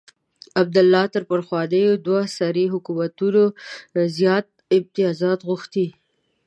عبدالله تر پخواني دوه سري حکومت زیات امتیازات غوښتي.